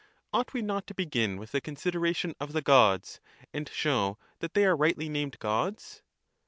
Ought we not to begin with the consideration of the Gods, and show that they are rightly named Gods?